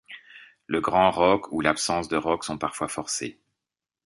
Le grand roque ou l'absence de roque sont parfois forcés.